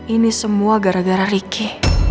ini semua gara gara riki